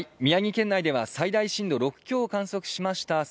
宮城県内では最大震度６強を観測しました